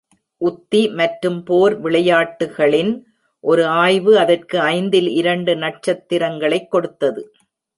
உத்தி மற்றும் போர் விளையாட்டுகளின் ஒரு ஆய்வு அதற்கு ஐந்தில் இரண்டு நட்சத்திரங்களைக் கொடுத்தது.